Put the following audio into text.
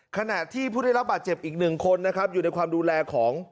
ขณะที่ผู้ได้รับบาดเจ็บอีกหนึ่งคนนะครับอยู่ในความดูแลของ